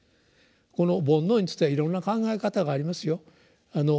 この「煩悩」についてはいろんな考え方がありますよ。